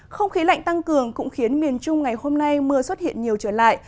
không khí lạnh tăng cường cũng khiến miền trung ngày hôm nay mưa xuất hiện nhiều trở lại